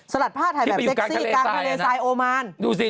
สลัดผ้าถ่ายแบบเซ็กซี่กลางทะเลซายโอมานที่ไปอยู่กลางทะเลตายอย่างนั้น